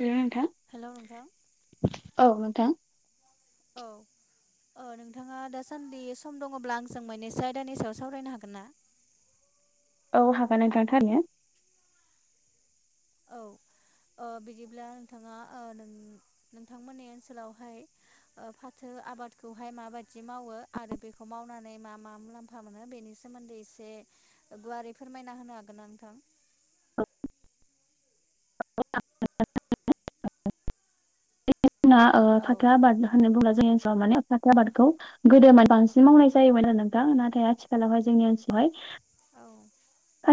Hello नोंथां hello नोंथां औ नोंथां औ अ नोंथाङा दासान्दि सम दङब्ला आंजों मोननैसो आयदानि सायाव सावरायनो हागोनना औ हागोन नोंथां थारैनो औ बिदिब्ला नोंथांङा नों नोंथांमोननि ओनसोलावहाय फाथो आबादखौहाय माबायदि मावो आरो बेखौ मावनानै मा मा मुलाम्फा मु्लामफा मोनो बेनि सोमोन्दै एसे गुवारै फोरमायना होनो हागोन ना नोंथां [unintelligible] ना औ फाथो आबाद होननानै बुंब्ला जोंनसाव माने फाथो आबादखौ गोदोमा बांसिन मावनाय जायोमोन आरो नोंथां नाथाय आथिखालावहाय जोंनि ओनसोलावहाय औ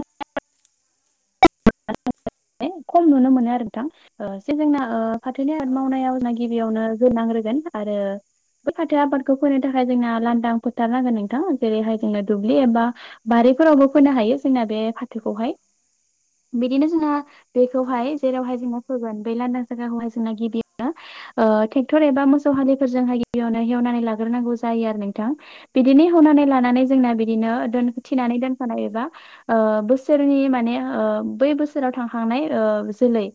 [unintelligible] खम नुनो मोनो आरो नोंथां जोंना फाथोनि आबाद औ मावनायाव गिबियावनो नांग्रोगोन आरो बे फाथो आबादखौ फोनो थाखाय जोंना लांदां फोथार नांगोन नोंथां जेरैहाय जोंनो दुब्लि एबा बारिफोरावबो फोनो हायो जोंना बे फाथोखौहाय बिदिनो जोंना औ बेखौहाय जेरावहाय जोंना फोगोन बे लान्दां जायगाखौहाय जोंना गिबियो ट्रेक्टर एबा मोसौ हालिफोरजोंहाय गिबियावनो हेवनानै लाग्रोनांगौ जायो आरो नोंथां बिदिनो हेवनानै लानानै जोंना बि बिदिनो औ दोननानै दोनखानाय एबा बोसोरनि माने बै बोसोराव थांखांनाय जोलै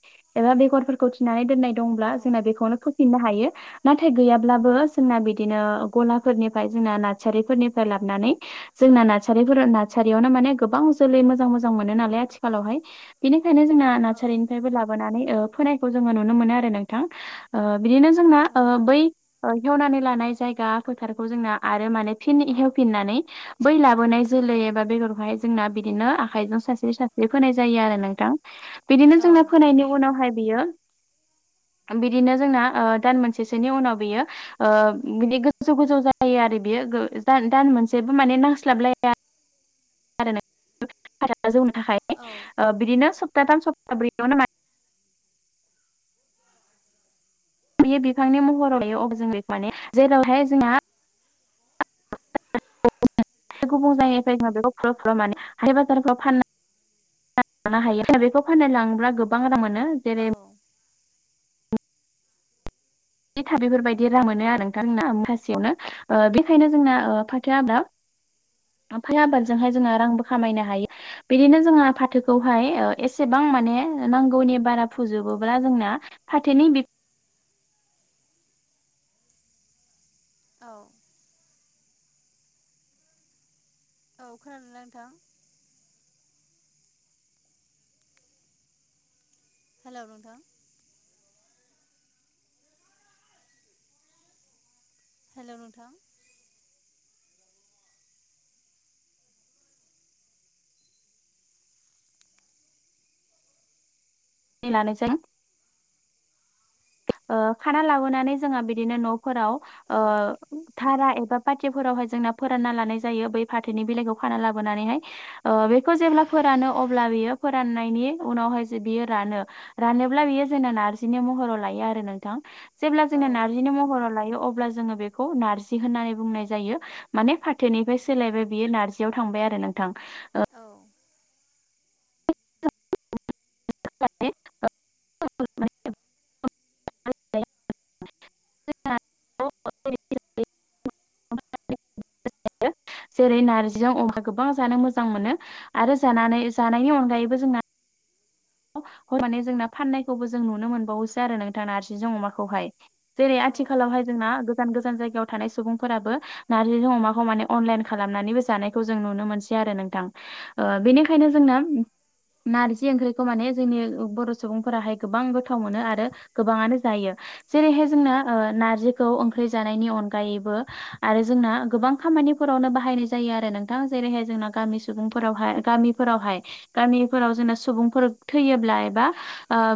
एबा बेगरफोरखौ थिनानै दोननाय दंब्ला औ जोंना बेखौनो फोफिननो हायो नाथाय गैयाब्लाबो जोंना बिदिनो गलाफोरनिफ्राय जोंना नार्सारिफोरनिफ्राय लाबोनानै जोंना नार्सारिफोर नार्सारियावनो माने गोबां जोलै मोजां मोजां मोनो नालाय आथि आथिखालावहाय बिनिखायनो जोंना औ नार्सारिनिफ्रायबो लाबोनानै ओ फोनायखौ जोंङोना नुनो मोनो आरो नोंथां बिदिनो जोंना औ बै खेवनानै लानाय जायगा फोथारखौ जोंना आरो माने फिन हेवफिननानै बै लाबोनाय जोलै एबा बेगरखौहाय जोंना बिदिनो आखाइजों सारस्रि सा बे फोनाय जायो आरो नोंथां बिदिनो औ जोंना फोनायनि उनावहाय बियो [inaudible] बिदिनो जोंना दान मोनसेसोनि उनाव बियो बिे गोजौ गोजौ जायो आरो बियो दान मोनसेबो माने नांस्लाबलाया [inaudible] आरो ना जोंनि थाखाय औ बिदिनो सप्ताथाम सलथा थाम सबथा ब्रैयावनो मा फैयो बिफांनि महराव लायो अब्ला जों बेखौ माने जेरावहाय जोंहा गुबुन जायगानिफ्राय जोो बेखौ फुर फुर मनानै हाइ बाजारफ्राव फाननानै लानो हायो बेखौ फानना लांङोब्ला गोबां रां मोनो जेरै औ इथा बेफोरबायदि रां मोनो आरो नोंथांमोनना मुथासेयावनो ओ बेखायनो जोंना ओ फाथो आबाद ओमफाय आबादजोंहाय जोङो रांबो खामायनो हायो बिदिनो जोंहा फाथोखौहाय एसेबां माने नांगौनि बारा फुजोबोब्ला जोंना फाथोनि बि औ औ खोनादों ना नोंथां हेल' नोंथां हेल' नोंथां सि लानायजों ओ खाना लाबोनानै जोंहा बिदिनो न'फोराव औ ओ धारा एबा पाटिफोरावहाय जोंना फोरानना लानाय जायो बै फाथोनि बिलाइखौ खाना लाबोनानैहाय ओ बेखौ जेब्ला फोरानो अब्ला बियो फोराननायनि उनावहाय जे बियो रानो रानोब्ला बियो जोंना नारजिनि महराव ला यो नोंथां जेब्ला जों नारजिनि महराव लायो अब्ला जोंङो बेखौ नारजि होननानै बुंनाय जायो माने फाथोनिफ्राय सोलायबाय बियो नारजियाव थांबाय आरो नोंथां औ [inaudible] [inaudible] [unintelligible] [unintelligible] मावनाय जेरै नारजिजों अमा गोबां जानो मोजां मोनो आरो जानानै जानायनि अनगायैबो जोंना माने जोंना फाननायखौबो जों नुनो मोनबावोसो आरो नोंथां आरो नारजिजोंं अमाखौहाय जेरै आथिखालावहाय जोंना गोजान गोजान जायगायाव थानाय सुबुंफोराबो नारजि अमाखौ माने अनलाइन खालामनानैबो जानायखौ जों नुनो मोनसै आरो नोंथां ओ बेनिखायनो जोंनो नारजि ओंख्रि खौ माने जोंनि बर' सुबुंफोराहाय गोबां गोथाव मोनो आरो गोबाङानो जायो जेरैहाय जोंना ओ नारजिखौ ओंख्रि जानायनि अनगायैबो आरो जोंना गोबां खामानिफोरावनो बाहायनाय जायो आरो नोंथां जेरैहाय जोंना गामि सुबुंफोरावहाय गामि फोरावहाय गामिफोराव जोंना सुबुंफोर थैयोब्ला एबा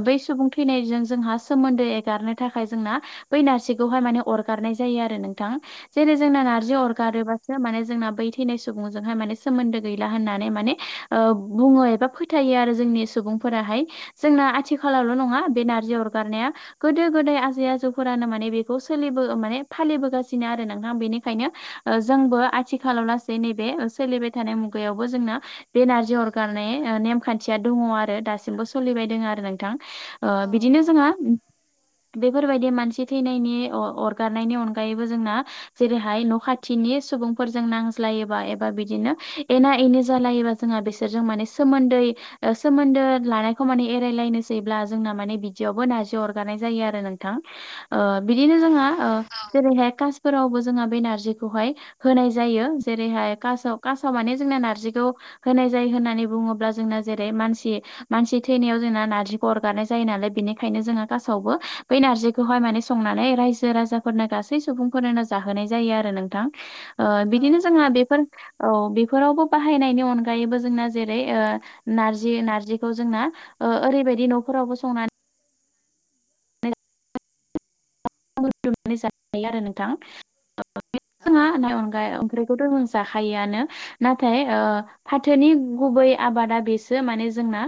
बै सुबुं थैनायजों जोंहा सोमोन्दो एगारनो थाखाय जोंना बै नारजिखौहाय माने अरगारनाय जायो आरो नोंथां जेरै जोंना नारजि अरगारोबा सो माने जोंना बै थैनाय सुबुंजोंहाय माने सोमोन्दो गैला होननानै माने ओ बुङो एबा फो थायो आरो जोंनि सुबुंफोराहाय जोंना आथिखालावल' नङा बे नारजि अरगारनाया गोदो गोदाय आजै आजौफोरानो माने बेखौ सोलिबो माने फालिबोगासिनो आरो नोंथां बेनिखायनो जोंबो आथिखालाव लासै नैबे सोलिबाय थानाय मुगायावबो जोंना बे नारजि अरगारनाय नेमखान्थिया दङ आर रो दासिमबो सोलिबाय दों आरो नोंथां ओ बिदिनो जोंहा बेफोरबायदि मानसि थैनायनि अरगारनायनि अनगायैबो जोंना जेरैहाय न' खाथिनि सुबुंफोरजों नांज्लायोबा एबा बिदिनो एना एनि जालायोबा जोंहा बिसोर माने सोमोन्दै सोमोन्दो लानायखौ माने एरायलायनोसैब्ला जोंना माने बिदियावबो नारजि अरगारानाय जायो आरो नोंथां बिदिनो जोंहा जेरैहाय कासफोरावबो जोंहा बे नारजिखौहाय होनाय जायो जेरैहाय कासाव कासाव माने जोंना नारजिखौ होनाय जायो होननानै बुङोब्ला जोंना जेरै मान मानसि थैनायाव जोंना नारजिखौ अरगारनाय जायो नालाय बेनिखायनो जोङो कासावबो बै नारजिखौहाय माने संनानै रायजो राजाफोरनो गासै सुबुंफोरनो जाहोनाय जायो आरो नोंथां ओ बिदिनो जोंहा बेफोर औ बेफोरावबो बाहायनायनि अनगायैबो जोंना जेरै नारज जि नारजि नारजिखौ जोंना एरैबादि नखरावबो संनानै संनानै जानो हायो आरो नोंथां नङा अनगायैबो माने बेखौथ' जों जाखायोआनो नाथाय फाथोनि गुबै आबादा बेसो माने जोंना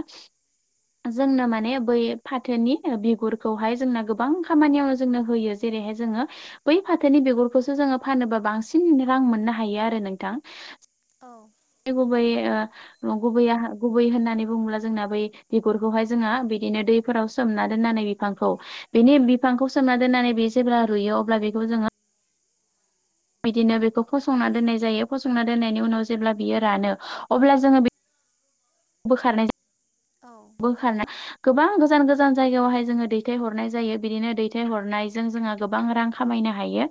जोंनो माने बै फाथोनि बिगुरखौहाय जोंना गोबां खामानियाव जोंनो होयो जेरैहाय जोङो बै फाथोनि बिगुरखौसो जोङो फानोबा बांसिन रां मोननो हायो आरो नोंथां औ गुबै औ गुबैया गुबै होननानै बुङोब्ला जोंना बै बिगुरखौहाय जोङो बिदिनो दैफोराव सोमना दोन्नानै बिफांखौ बेनि बिफांखौ सोमना दोननानै बे जेब्ला रुइयो अब्ला बेखौ जोङो बिदिनो बेखौ फसंना दोन्नाय जायो फसंना दोननायनि उनाव जेब्ला बियो रानो अब्ला जोङो बे बोखारनाय जायो औ बोखारना गोबां गोजान गोजान जायगायावहाय जोङो दैथायहरनाय जायो बिदिनो दैथाय हरनायजों जोंहा गोबां रां खामायनो हायो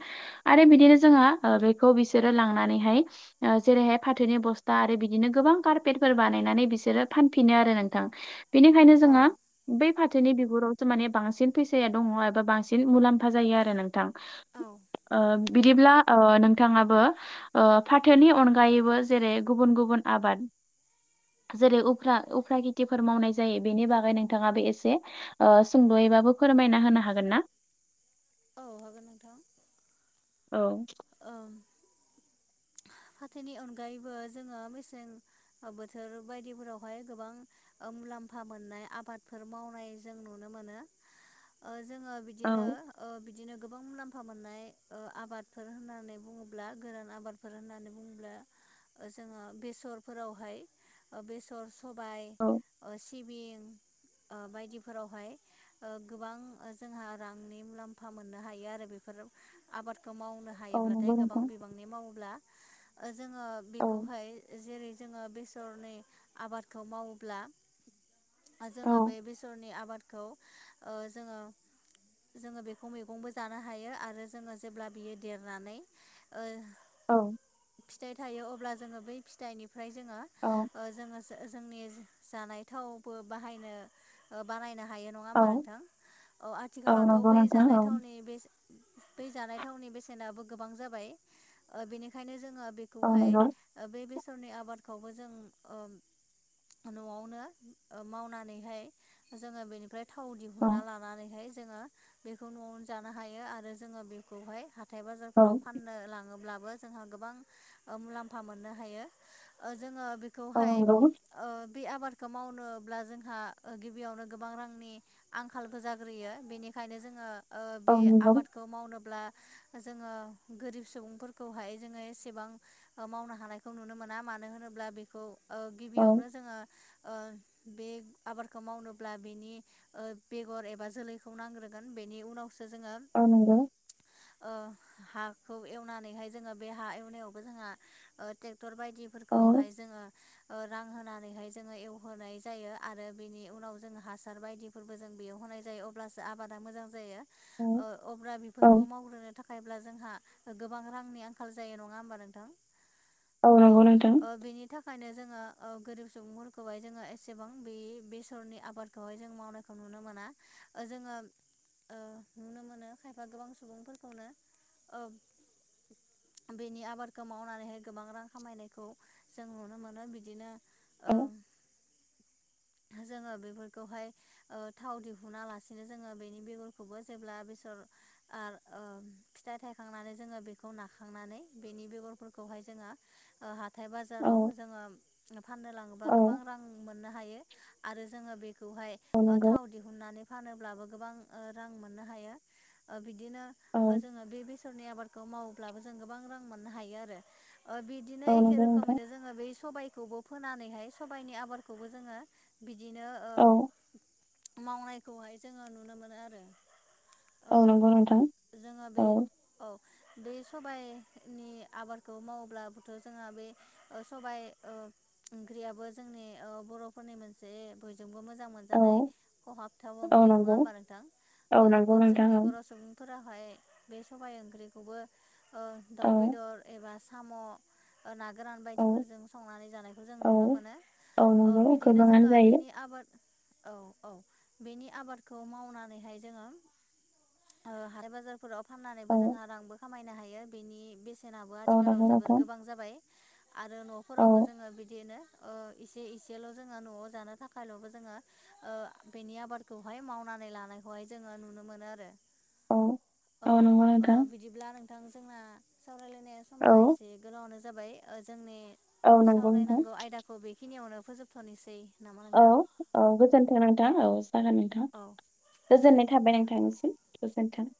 आरो बिदिनो जोङो बेखौ बिसोरो लांनानैहाय जेरैहाय फाथोनि बस्था आरो बिदिनो गोबां कारपेटफोर बानायनानै बि सोरो फानफिनो आरो नोंथां बेनिखायनो जोङो बै फाथोनि बिगुरावसो माने बांसिन फैसाया दङ एबा बांसिन मुलाम्फा जायो आरो नोंथां औ बिदिब्ला नोंथाङाबो फाथोनि अनगायैबो जेरै गुबुन गुबुन आबाद जेरैफ्रा उफ्रा खेथिफोर मावनाय जायो बेनि बागै नोंथाङाबो एसे सुंद'यैबाबो फोरमायना होनो हागोन ना औ हागोन नोंथां औ फाथोनि अनगायैबो जोङो मेसें बोथोर बायदिफोरावहाय गोबां मुलाम्फा मोननाय आबादफोर मावनाय जों नुनो मोनो जोङो औ बिदिनो बिदिनो गोबां मुलाम्फा मोननाय आबाद फोर होननानै बुङोब्ला गोरान आबादफोर होननानै बुङोब्ला जोङो बेसरफोरावहाय बेसर सबाय औ सिबिं बायदिफोरावहाय गोबां जोंहा रांनि मुलाम्फा मोननो हायो आरो बेफोर आबादखौ माव मावनो औ हायोब्लाथाय नंगौ गोबां नोंथां बिबांनि मावोब्ला जोङो औ बेखौहाय जेरै जोङो बेसरनि आबादखौ मावोब्ला औ जोङो बे बेसरनि आबादखौ ओ जोङो जोङो बेखौ मैगंबो जानो हायो आरो जोङो जेब्ला बियो देरनानै ओ औ फिथाइ थायो अब्ला जोङो बै फिथाइनिफ्राय जोङो औ ओ जोङो जोंनि जानाय थावबो बाहायनो बानायनो हायो नङा औ होमबा नोंथां औ औ आथिखालावथ' नंगौ बै नोंथां जानाय औ थावनि बे बे जानाय थावनि बेसेनाबो गोबां जाबाय बेनिखायनो जोङो बे औ बेखौहाय नंगौ बे बेसरनि आबादखौबो जों न'आवनो मावनानैहाय जोङो बेनि ओमफ्राय थाव औ दिहुनना लानानैहाय जोङो बेखौ न'आवनो जानो हायो आरो जोङो बेखौहाय हा हाथाय औ बाजारफोराव फाननो लाङोब्लाबो जोंहा गोबां मुलाम्फा मोननो हायो जोङो औ बेखौहाय नंगौ बे आबादखौ मावनोब्ला जोंहा गिबियावनो गोबां रांनि आंखालबो जाग्रोयो बेनिखायनो जोङो औ बे नंगौ आबादखौ मावनोब्ला जोङो गोरिब सुबुंफोरखौहाय जोङो एसेबां मावनो हानायखौ नुनो मोना मानो होनोब्ला बेखौ औ गिबियावनो जोङो ओ बे आबादखौ मावनोब्ला बेनि बेगर एबा जोलैखौ नांग्रोगोन बेनि उनावसो जोङो औ नंगौ हाखौ एवनानैहाय जोङो बे हा एवनायावबो जोंहा ट्रेक्टर औ बायदिफोरखौहाय जोङो ओ रां होनानैहाय जोङो एवहोनाय जायो आरो बेनि उनाव जोङो हासार बायदि फोरबो जों बेयाव होननाय जायो अब्लासो आबादा मोजां जायो औ ओ अब्ला औ बेफोरखौ मावग्रोनो थाखायब्ला जोंहा गोबां रांनि आंखाल जायो नङा होमबा नोंथां औ नंगौ नोंथां ओ बेनि थाखाय ओंखायनो जोङो गोरिब सुबुंफोरखौहाय जोङो एसेबां बे बेसरनि आबादखौहाय जों मावनाय खौ नुनो मोना जोङो नुनो मोनो खायफा गोबां सुबुं बुंनो औ बेनि आबादखौ मावनानैहाय गोबां रां खामायनायखौ जों नुनो मोनो बिदिनो औ ओ जोङो बेफोरखौहाय ओ थाव दिहुना लासिनो जोङो बेनि बेगरखौबो जेब्ला बेसर आरो ओफिथाइ थायखांनानै जोङो बेखौ नाखांनानै बेनि बेगरफोरखौहाय जोङो ओ हाथाय बाजाराव औ जोङो फाननो लाङोबा औ गोबां रां मोननो हायो आरो जोङो बेखौहाय औ ओ नंगौ थाव दिहोनानै फानोब्ला गोबां रां मोन्नो हायो बिदिनो औ ओ जोङो बे बेसरनि आबादखौ मावोब्लाबो जों गोबां रां मोननो हायो आरो ओ बिदिनो औ एखे नंगौ नोंथां रोखोमैनो जोङो बै सबायखौबो फोनानैहाय सबायनि आबादखौबो जोङो बिदिनो ओ औ मावनायखौहाय जोङो नुनो मोनो आरो ओ औ नंगौ नोंथां जोङो बे औ औ बे सबायनि आबादखौ माव्लाबोथ' जोंहा बे ओ सबाय ओ ओंख्रियाबो जोंनि ओ बर'फोरनि मोनसे बयजोंबो मोजां औ मोनजानाय खहाबथाव औ ओंख्रि नङा नंगौ होनबा नोंथां नंगौ औ नोंथां जोंनि बर' सुबुं फोराहाय बे सबाय ओंख्रिखौबो ओ औ दाउ बेदर एबा साम' ना गोरान औ बायदिफोरजों संनानै जानायखौ जों औ नुनो मोनो औ नंगौ बिदिनो गोबाङानो जोङो जायो बेनि आबाद औ औ बेनि आबादखौ मावनानैहाय जोङो हाथाय बाजारफोराव फाननानैबो औ जोंहा रांबो खामायनो हायो बेनि बेसे बेसेनाबो औ आथिखालाव नंगौ जोबोर नोंथां गोबां जाबाय आरो औ न'फोरावबो जोङो बिदिनो ओ इसे इसेल' जोङो न'आव जानो थाखायल'बो जोङो ओ बेनि आबादखौहाय मावनानै लानायखौहाय जोङो नुनो मोनो आरो औ औ नंगौ ओ नोंथां बिदिब्ला नोंथां जोंना सावरायलायनाय औ समा एसे दे गोबावानो जाबाय जोंनि औ नंगौ नोंथां सावरायनांगौ आयदाखौ बेखिनियावनो फोजोबथ'नोसै नामा औ नोंथां? औ गोजोन्थों नोंथां औ जागोन नोंथां औ गोजोननाय थाबाय आं थांनिसिम गोजोन्थों